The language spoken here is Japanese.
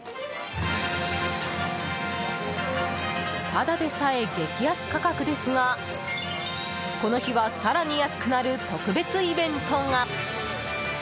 ただでさえ激安価格ですがこの日は、更に安くなる特別イベントが。